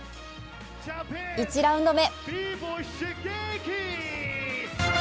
１ラウンド目。